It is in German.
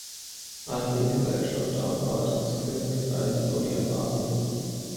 Alleingesellschafter war das Königreich Saudi-Arabien.